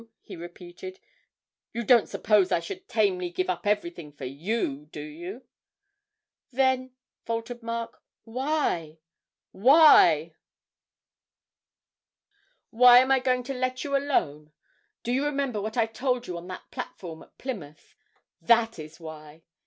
he repeated; 'you don't suppose I should tamely give up everything for you, do you?' 'Then,' faltered Mark, 'why why ?' 'Why am I going to let you alone? Do you remember what I told you on that platform at Plymouth? that is why.